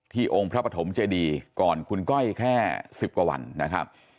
องค์พระปฐมเจดีก่อนคุณก้อยแค่๑๐กว่าวันนะครับ